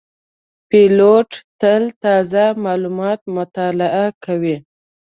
پیلوټ تل تازه معلومات مطالعه کوي.